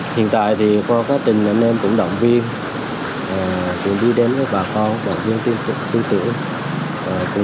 hiện tại thì có các tình nhân em cũng đồng viên cũng đi đến với bà con đồng viên tương tự